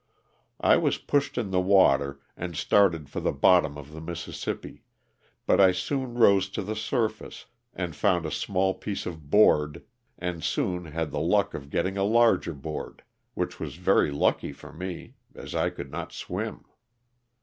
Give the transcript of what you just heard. I was pushed in the water and started for the bottom of the Mississippi, but I soon rose to the surface and found a small piece of board, and soon had the luck of getting a larger board, which was very lucky for me, as I could not swim.